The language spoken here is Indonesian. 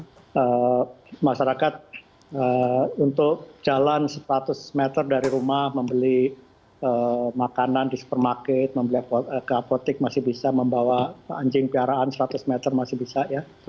jadi masyarakat untuk jalan seratus meter dari rumah membeli makanan di supermarket ke apotek masih bisa membawa anjing piaraan seratus meter masih bisa ya